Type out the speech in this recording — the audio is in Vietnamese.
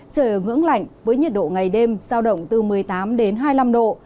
trời ngưỡng lạnh với nhiệt độ ngày đêm sao động từ một mươi tám đến hai mươi năm độ